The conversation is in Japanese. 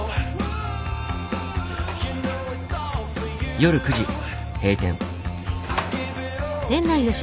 夜９時閉店。